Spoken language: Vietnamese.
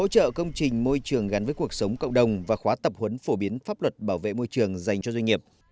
chương trình môi trường gắn với cuộc sống cộng đồng và khóa tập huấn phổ biến pháp luật bảo vệ môi trường dành cho doanh nghiệp